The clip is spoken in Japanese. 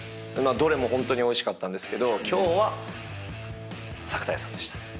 どれもホントにおいしかったんですけど今日は「作田家」さんでした。